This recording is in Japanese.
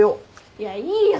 いやいいよ